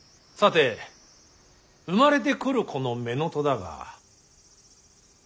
さて生まれてくる子の乳母だが。